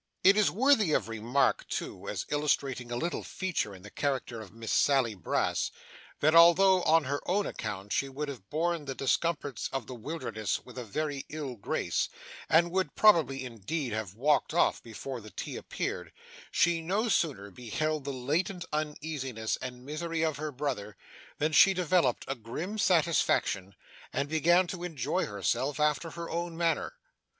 It is worthy of remark, too, as illustrating a little feature in the character of Miss Sally Brass, that, although on her own account she would have borne the discomforts of the Wilderness with a very ill grace, and would probably, indeed, have walked off before the tea appeared, she no sooner beheld the latent uneasiness and misery of her brother than she developed a grim satisfaction, and began to enjoy herself after her own manner.